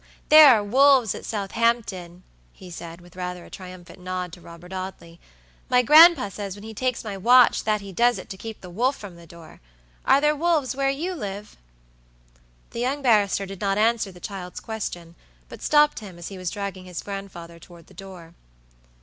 "There are wolves at Southampton," he said, with rather a triumphant nod to Robert Audley. "My gran'pa says when he takes my watch that he does it to keep the wolf from the door. Are there wolves where you live?" The young barrister did not answer the child's question, but stopped him as he was dragging his grandfather toward the door.